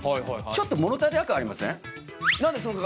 ちょっと物足りなくありません？